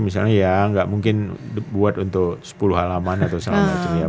misalnya ya gak mungkin buat untuk sepuluh halaman atau selama macamnya